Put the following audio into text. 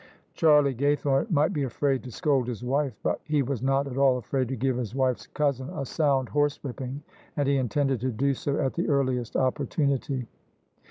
Charlie Gaythome might be afraid to scold his wife: but he was not at all afraid to give his wife's cousin a soimd horsewhipping: and he intended to do so at the earliest opportunity.